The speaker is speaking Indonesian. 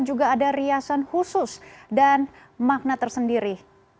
juga ada riasan khusus dan makna tersendiri